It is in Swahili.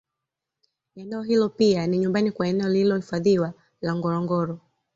Eneo hilo pia ni nyumbani kwa eneo lililohifadhiwa la Ngorongoro